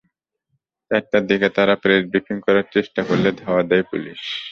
চারটার দিকে তাঁরা প্রেস ব্রিফিং করার চেষ্টা করলে ধাওয়া দেয় পুলিশ।